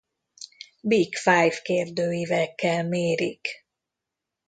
Big Five kérdőívekkel mérik.